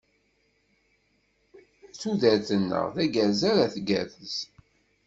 Tudert-nneɣ, d agerrez ara tgerrez.